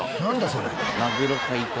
それ。